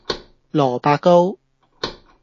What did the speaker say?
蘿蔔糕